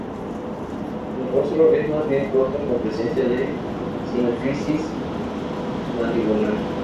Su rostro es más bien corto con presencia de sínfisis mandibular.